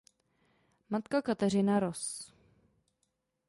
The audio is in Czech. Matka Kateřina roz.